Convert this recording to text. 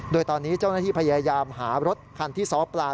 โดยตอนนี้เจ้าหน้าที่พยายามหารถคันที่ซ้อปลา